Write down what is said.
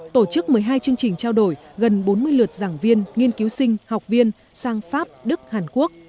tổ chức một mươi hai chương trình trao đổi gần bốn mươi lượt giảng viên nghiên cứu sinh học viên sang pháp đức hàn quốc